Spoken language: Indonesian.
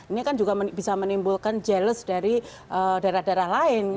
ini kan juga bisa menimbulkan jelles dari daerah daerah lain